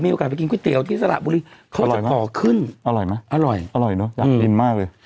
โอกาสไปกินก๋วยเตี๋ยวที่สระบุรีเขาจะขอขึ้นอร่อยไหมอร่อยอร่อยเนอะอยากริมมากเลย